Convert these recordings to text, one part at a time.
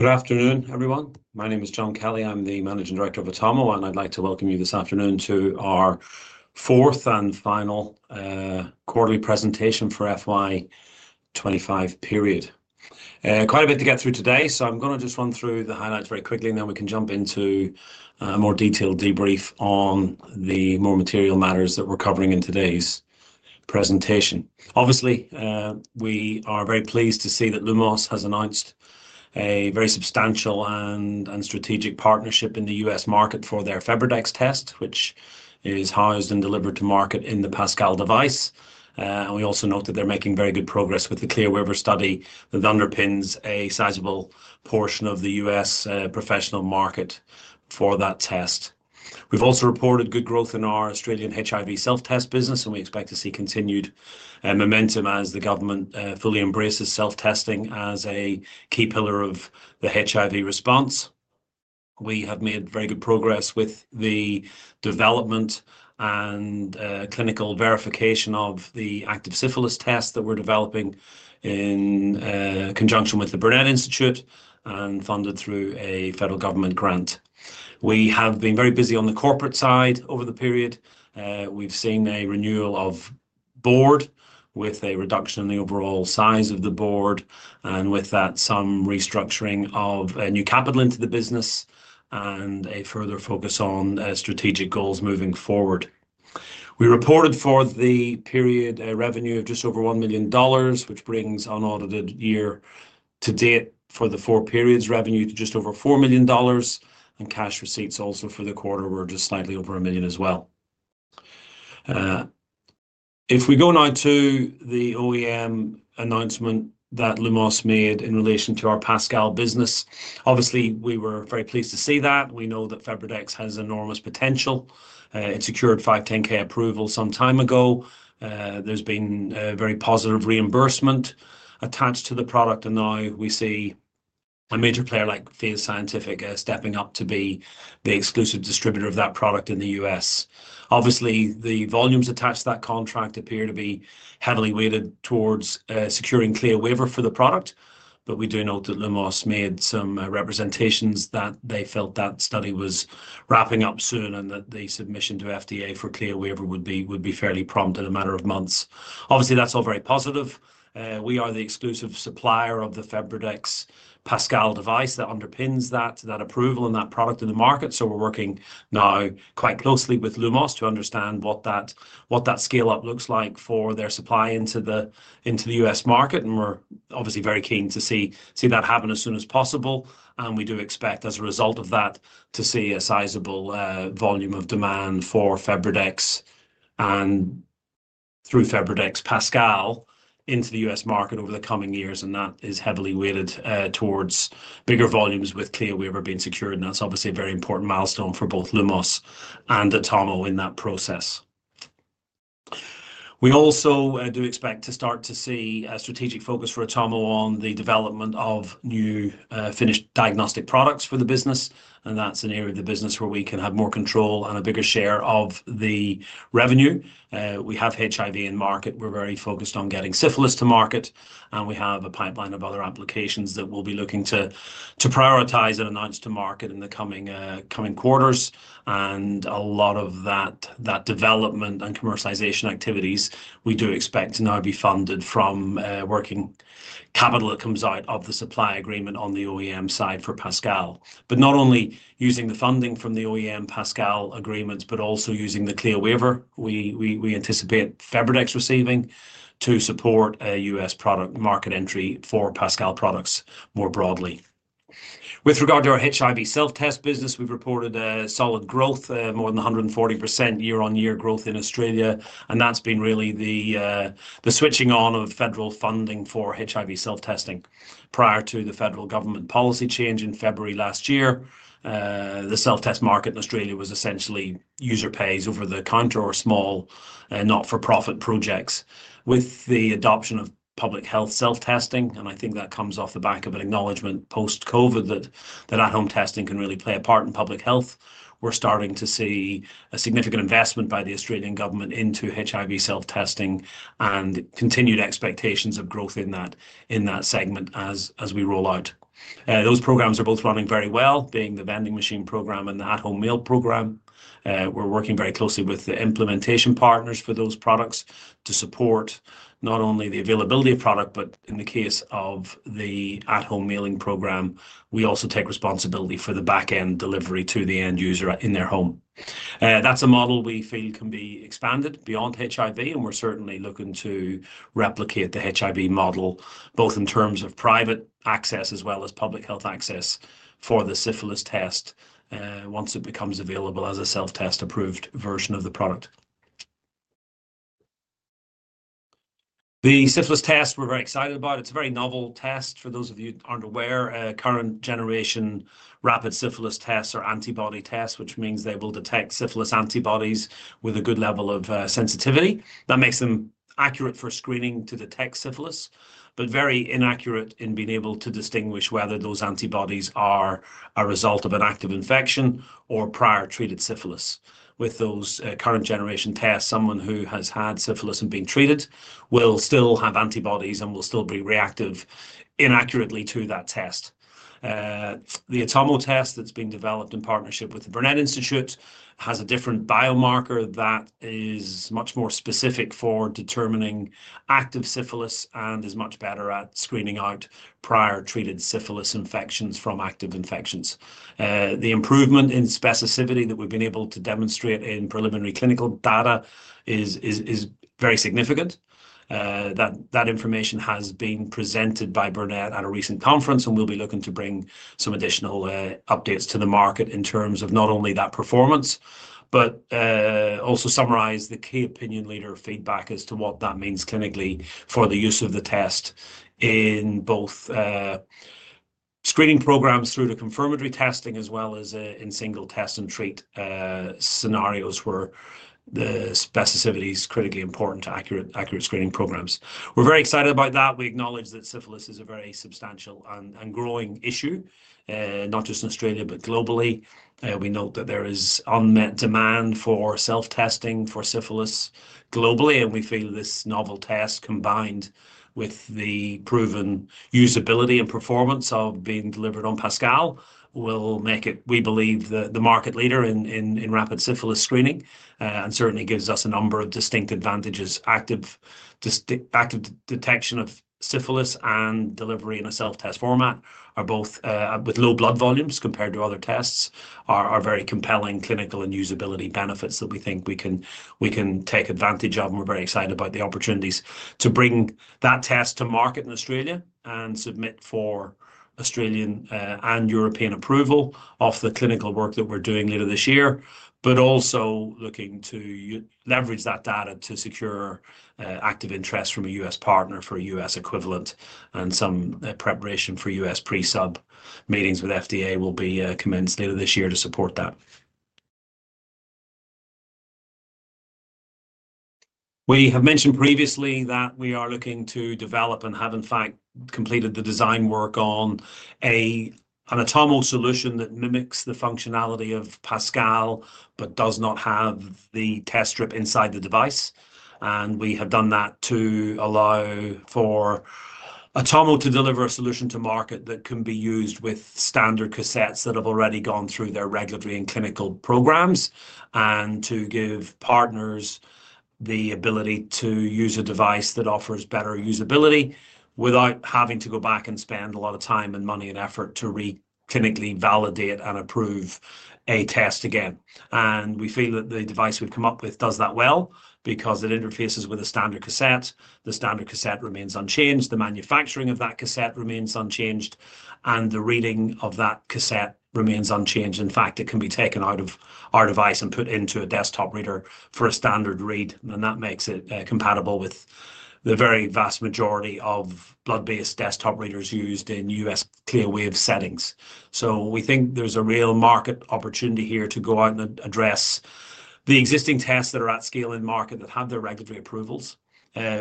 Good afternoon, everyone. My name is John Kelly. I'm the Managing Director of Atomo, and I'd like to welcome you this afternoon to our fourth and final quarterly presentation for the FY 2025 period. Quite a bit to get through today, so I'm going to just run through the highlights very quickly, and then we can jump into a more detailed debrief on the more material matters that we're covering in today's presentation. Obviously, we are very pleased to see that Lumos has announced a very substantial and strategic partnership in the U.S. market for their FebriDx test, which is housed and delivered to market in the Pascal device. We also note that they're making very good progress with the CLIA waiver study that underpins a sizable portion of the U.S. professional market for that test. We've also reported good growth in our Australian HIV self-test business, and we expect to see continued momentum as the government fully embraces self-testing as a key pillar of the HIV response. We have made very good progress with the development and clinical verification of the active syphilis test that we're developing in conjunction with the Burnet Institute and funded through a federal government grant. We have been very busy on the corporate side over the period. We've seen a renewal of the board with a reduction in the overall size of the board and, with that, some restructuring of new capital into the business and a further focus on strategic goals moving forward. We reported for the period a revenue of just over $1 million, which brings an audited year to date for the four periods revenue to just over $4 million, and cash receipts also for the quarter were just slightly over $1 million as well. If we go now to the OEM announcement that Lumos made in relation to our Pascal business, obviously, we were very pleased to see that. We know that FebriDx has enormous potential. It secured 510(k) approval some time ago. There's been a very positive reimbursement attached to the product, and now we see a major player like Thales Scientific stepping up to be the exclusive distributor of that product in the U.S. The volumes attached to that contract appear to be heavily weighted towards securing CLIA waiver for the product, but we do note that Lumos made some representations that they felt that study was wrapping up soon and that the submission to FDA for CLIA waiver would be fairly prompt in a matter of months. Obviously, that's all very positive. We are the exclusive supplier of the FebriDx Pascal device that underpins that approval and that product in the market. We're working now quite closely with Lumos to understand what that scale-up looks like for their supply into the U.S. market, and we're obviously very keen to see that happen as soon as possible. We do expect, as a result of that, to see a sizable volume of demand for FebriDx and through FebriDx Pascal into the U.S. market over the coming years, and that is heavily weighted towards bigger volumes with CLIA waiver being secured. That's obviously a very important milestone for both Lumos and Atomo in that process. We also do expect to start to see a strategic focus for Atomo on the development of new finished diagnostic products for the business, and that's an area of the business where we can have more control and a bigger share of the revenue. We have HIV in market. We're very focused on getting syphilis to market, and we have a pipeline of other applications that we'll be looking to prioritize and announce to market in the coming quarters. A lot of that development and commercialization activities we do expect to now be funded from working capital that comes out of the supply agreement on the OEM side for Pascal, but not only using the funding from the OEM Pascal agreements, but also using the CLIA waiver. We anticipate FebriDx receiving to support a U.S. product market entry for Pascal products more broadly. With regard to our HIV self-test business, we've reported a solid growth, more than 140% year-on-year growth in Australia, and that's been really the switching on of federal funding for HIV self-testing. Prior to the federal government policy change in February last year, the self-test market in Australia was essentially user-pays over-the-counter or small, not-for-profit projects. With the adoption of public health self-testing, and I think that comes off the back of an acknowledgement post-COVID that at-home testing can really play a part in public health, we're starting to see a significant investment by the Australian government into HIV self-testing and continued expectations of growth in that segment as we roll out. Those programs are both running very well, being the vending machine program and the at-home mail program. We're working very closely with the implementation partners for those products to support not only the availability of product, but in the case of the at-home mail programs, we also take responsibility for the backend delivery to the end user in their home. That's a model we feel can be expanded beyond HIV, and we're certainly looking to replicate the HIV model both in terms of private access as well as public health access for the syphilis test once it becomes available as a self-test approved version of the product. The syphilis test, we're very excited about it. It's a very novel test. For those of you that aren't aware, current generation rapid syphilis tests are antibody tests, which means they will detect syphilis antibodies with a good level of sensitivity. That makes them accurate for screening to detect syphilis, but very inaccurate in being able to distinguish whether those antibodies are a result of an active infection or prior treated syphilis. With those current generation tests, someone who has had syphilis and been treated will still have antibodies and will still be reactive inaccurately to that test. The Atomo test that's been developed in partnership with the Burnet Institute has a different biomarker that is much more specific for determining active syphilis and is much better at screening out prior treated syphilis infections from active infections. The improvement in specificity that we've been able to demonstrate in preliminary clinical data is very significant. That information has been presented by Burnet at a recent conference, and we'll be looking to bring some additional updates to the market in terms of not only that performance, but also summarize the key opinion leader feedback as to what that means clinically for the use of the test in both screening programs through the confirmatory testing as well as in single test and treat scenarios where the specificity is critically important to accurate screening programs. We're very excited about that. We acknowledge that syphilis is a very substantial and growing issue, not just in Australia, but globally. We note that there is unmet demand for self-testing for syphilis globally, and we feel this novel test combined with the proven usability and performance of being delivered on Pascal will make it, we believe, the market leader in rapid syphilis screening and certainly gives us a number of distinct advantages. Active detection of syphilis and delivery in a self-test format are both with low blood volumes compared to other tests, are very compelling clinical and usability benefits that we think we can take advantage of. We are very excited about the opportunities to bring that test to market in Australia and submit for Australian and European approval off the clinical work that we're doing later this year. We are also looking to leverage that data to secure active interest from a U.S. partner for a U.S. equivalent, and some preparation for U.S. pre-sub meetings with FDA will be commenced later this year to support that. We have mentioned previously that we are looking to develop and have, in fact, completed the design work on an Atomo solution that mimics the functionality of Pascal but does not have the test strip inside the device. We have done that to allow for Atomo to deliver a solution to market that can be used with standard cassettes that have already gone through their regulatory and clinical programs and to give partners the ability to use a device that offers better usability without having to go back and spend a lot of time, money, and effort to re-clinically validate and approve a test again. We feel that the device we've come up with does that well because it interfaces with a standard cassette. The standard cassette remains unchanged. The manufacturing of that cassette remains unchanged, and the reading of that cassette remains unchanged. In fact, it can be taken out of our device and put into a desktop reader for a standard read, and that makes it compatible with the very vast majority of blood-based desktop readers used in U.S. CLIA waiver settings. We think there's a real market opportunity here to go out and address the existing tests that are at scale in market that have their regulatory approvals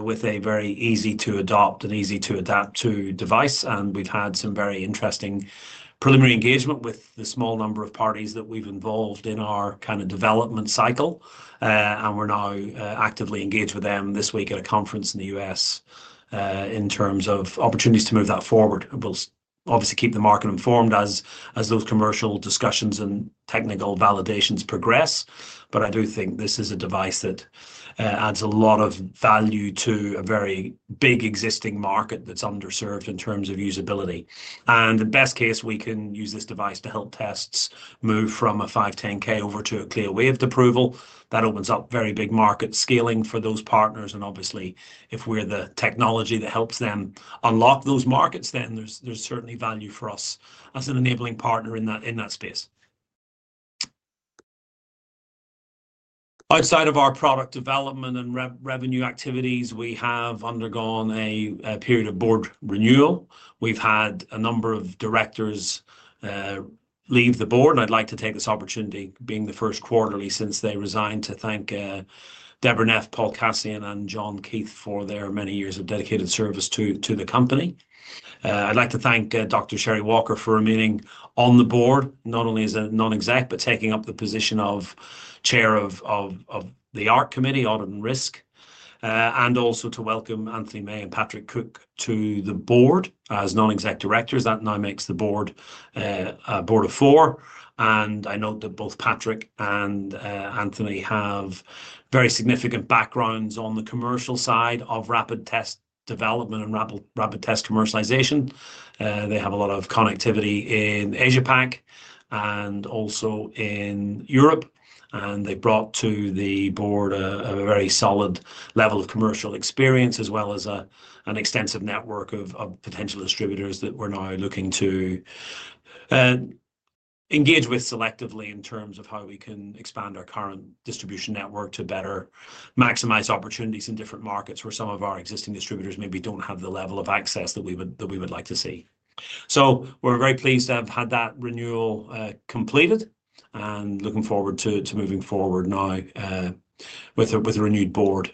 with a very easy-to-adopt and easy-to-adapt-to device. We've had some very interesting preliminary engagement with the small number of parties that we've involved in our kind of development cycle, and we're now actively engaged with them this week at a conference in the U.S. in terms of opportunities to move that forward. We will obviously keep the market informed as those commercial discussions and technical validations progress. I do think this is a device that adds a lot of value to a very big existing market that's underserved in terms of usability. In the best case, we can use this device to help tests move from a 510(k) over to a CLIA waiver approval. That opens up very big market scaling for those partners, and obviously, if we're the technology that helps them unlock those markets, then there's certainly value for us as an enabling partner in that space. Outside of our product development and revenue activities, we have undergone a period of board renewal. We've had a number of directors leave the board, and I'd like to take this opportunity, being the first quarterly since they resigned, to thank Deborah Neff, Paul Kasian, and John Keith for their many years of dedicated service to the company. I'd like to thank Dr. Cheri Walker for remaining on the board, not only as a Non-Executive but taking up the position of Chair of the Audit and Risk and also to welcome Anthony May and Patrick Cook to the board as Non-Executive Directors. That now makes the board a board of four. I note that both Patrick and Anthony have very significant backgrounds on the commercial side of rapid test development and rapid test commercialization. They have a lot of connectivity in Asia-Pac and also in Europe, and they brought to the board a very solid level of commercial experience as well as an extensive network of potential distributors that we're now looking to engage with selectively in terms of how we can expand our current distribution network to better maximize opportunities in different markets where some of our existing distributors maybe don't have the level of access that we would like to see. We are very pleased to have had that renewal completed and looking forward to moving forward now with a renewed board.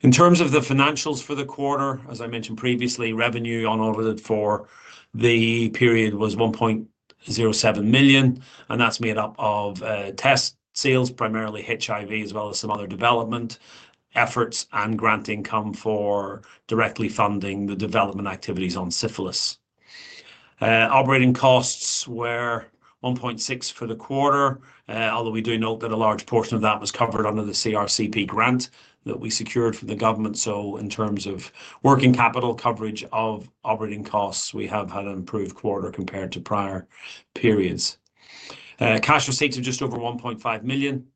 In terms of the financials for the quarter, as I mentioned previously, revenue unaudited for the period was $1.07 million, and that's made up of test sales, primarily HIV, as well as some other development efforts and grant income for directly funding the development activities on syphilis. Operating costs were $1.6 million for the quarter, although we do note that a large portion of that was covered under the CRC-P grant that we secured from the government. In terms of working capital coverage of operating costs, we have had an improved quarter compared to prior periods. Cash receipts are just over $1.5 million,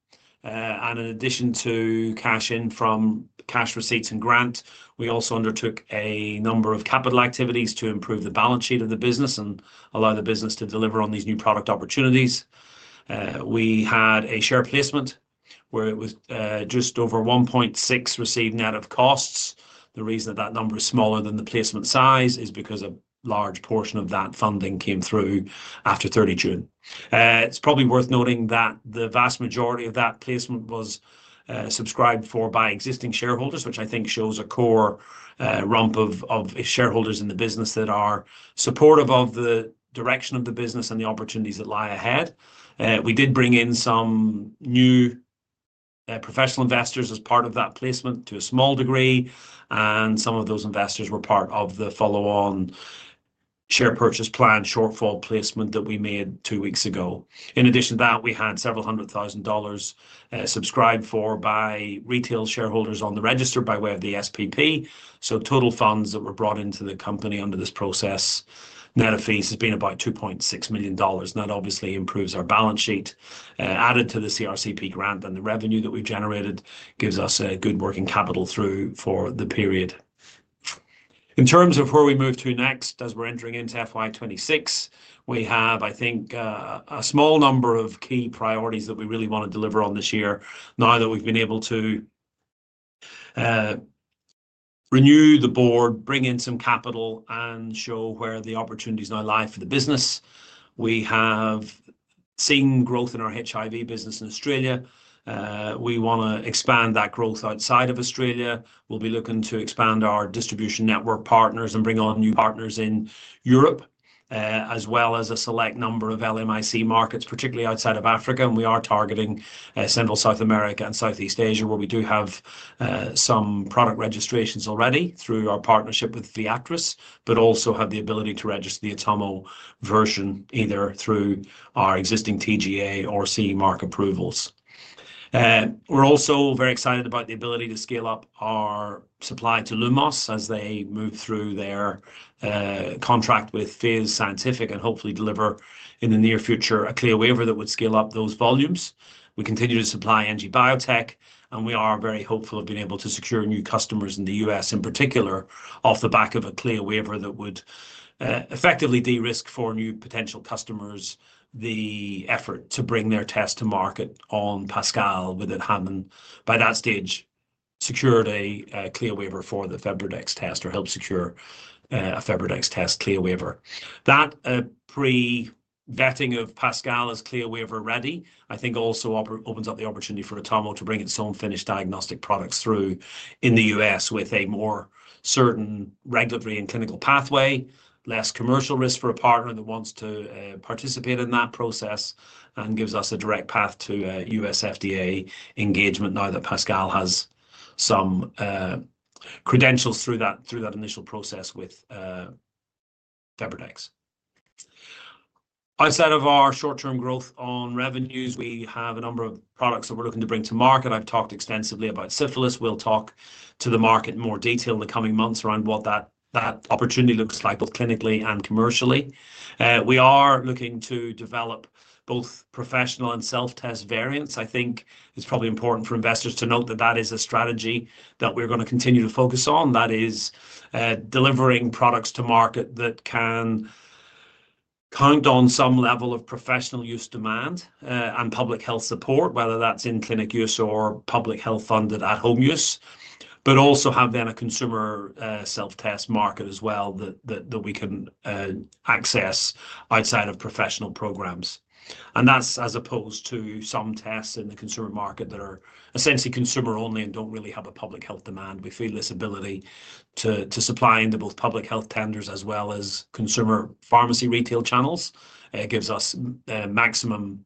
and in addition to cash in from cash receipts and grant, we also undertook a number of capital activities to improve the balance sheet of the business and allow the business to deliver on these new product opportunities. We had a share placement where it was just over $1.6 million receiving out of costs. The reason that that number is smaller than the placement size is because a large portion of that funding came through after 30 June. It's probably worth noting that the vast majority of that placement was subscribed for by existing shareholders, which I think shows a core rump of shareholders in the business that are supportive of the direction of the business and the opportunities that lie ahead. We did bring in some new professional investors as part of that placement to a small degree, and some of those investors were part of the follow-on share purchase plan shortfall placement that we made two weeks ago. In addition to that, we had several hundred thousand dollars subscribed for by retail shareholders on the register by way of the SPP. Total funds that were brought into the company under this process net of fees has been about $2.6 million. That obviously improves our balance sheet added to the CRC-P grant, and the revenue that we've generated gives us a good working capital through for the period. In terms of where we move to next as we're entering into FY 2026, we have, I think, a small number of key priorities that we really want to deliver on this year. Now that we've been able to renew the board, bring in some capital, and show where the opportunities now lie for the business, we have seen growth in our HIV business in Australia. We want to expand that growth outside of Australia. We'll be looking to expand our distribution network partners and bring on new partners in Europe, as well as a select number of LMIC markets, particularly outside of Africa. We are targeting Central and South America and Southeast Asia, where we do have some product registrations already through our partnership with Viatris, but also have the ability to register the Atomo version either through our existing TGA or CE Mark approvals. We're also very excited about the ability to scale up our supply to Lumos as they move through their contract with PHASE Scientific and hopefully deliver in the near future a CLIA waiver that would scale up those volumes. We continue to supply NG Biotech, and we are very hopeful of being able to secure new customers in the U.S., in particular off the back of a CLIA waiver that would effectively de-risk for new potential customers the effort to bring their test to market on Pascal without having, by that stage, secured a CLIA waiver for the FebriDx test or helped secure a FebriDx test CLIA waiver. That pre-vetting of Pascal as CLIA waiver ready, I think, also opens up the opportunity for Atomo to bring its own finished diagnostic products through in the U.S. with a more certain regulatory and clinical pathway, less commercial risk for a partner that wants to participate in that process, and gives us a direct path to U.S. FDA engagement now that Pascal has some credentials through that initial process with FebriDx. Outside of our short-term growth on revenues, we have a number of products that we're looking to bring to market. I've talked extensively about syphilis. We will talk to the market in more detail in the coming months around what that opportunity looks like both clinically and commercially. We are looking to develop both professional and self-test variants. I think it's probably important for investors to note that that is a strategy that we're going to continue to focus on, that is delivering products to market that can count on some level of professional use demand and public health support, whether that's in clinic use or public health-funded at-home use, but also have then a consumer self-test market as well that we can access outside of professional programs. That is as opposed to some tests in the consumer market that are essentially consumer-only and don't really have a public health demand. We feel this ability to supply into both public health tenders as well as consumer pharmacy retail channels gives us maximum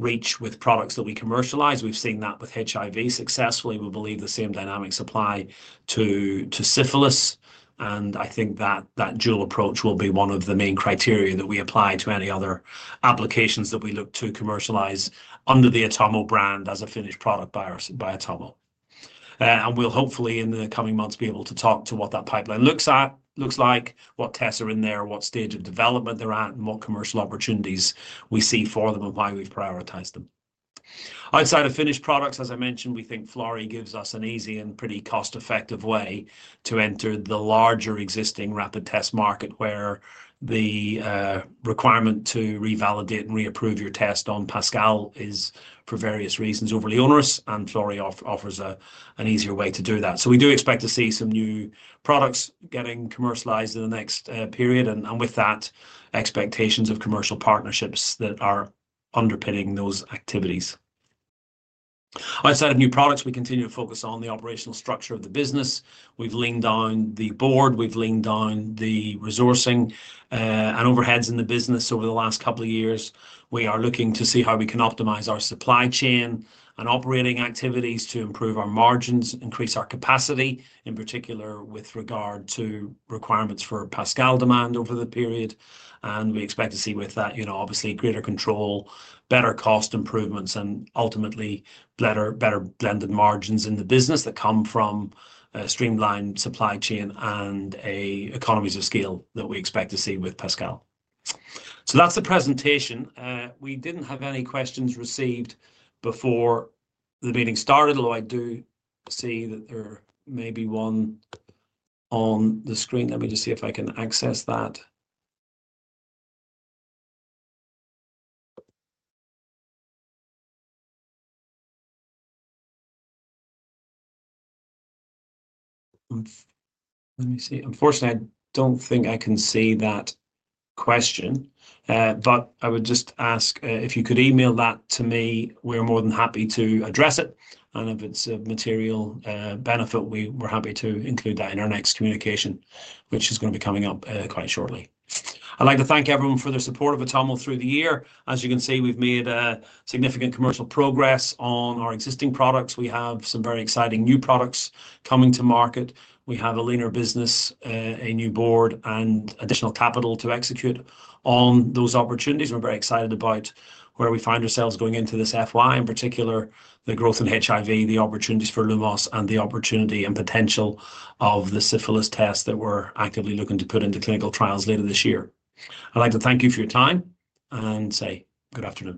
reach with products that we commercialize. We've seen that with HIV successfully. We believe the same dynamic applies to syphilis, and I think that that dual approach will be one of the main criteria that we apply to any other applications that we look to commercialize under the Atomo Diagnostics brand as a finished product by Atomo. We will hopefully in the coming months be able to talk to what that pipeline looks like, what tests are in there, what stage of development they're at, and what commercial opportunities we see for them and why we've prioritized them. Outside of finished products, as I mentioned, we think Florey gives us an easy and pretty cost-effective way to enter the larger existing rapid test market where the requirement to revalidate and reapprove your test on Pascal is for various reasons overly onerous, and Florey offers an easier way to do that. We do expect to see some new products getting commercialized in the next period, with that, expectations of commercial partnerships that are underpinning those activities. Outside of new products, we continue to focus on the operational structure of the business. We've leaned on the board. We've leaned on the resourcing and overheads in the business over the last couple of years. We are looking to see how we can optimize our supply chain and operating activities to improve our margins, increase our capacity, in particular with regard to requirements for Pascal demand over the period. We expect to see, with that, obviously greater control, better cost improvements, and ultimately better blended margins in the business that come from a streamlined supply chain and economies of scale that we expect to see with Pascal. That's the presentation. We didn't have any questions received before the meeting started, although I do see that there may be one on the screen. Let me just see if I can access that. Unfortunately, I don't think I can see that question, but I would just ask if you could email that to me, we're more than happy to address it. If it's of material benefit, we're happy to include that in our next communication, which is going to be coming up quite shortly. I'd like to thank everyone for their support of Atomo through the year. As you can see, we've made significant commercial progress on our existing products. We have some very exciting new products coming to market. We have a leaner business, a new board, and additional capital to execute on those opportunities. We're very excited about where we find ourselves going into this FY, in particular the growth in HIV, the opportunities for Lumos, and the opportunity and potential of the syphilis test that we're actively looking to put into clinical trials later this year. I'd like to thank you for your time and say good afternoon.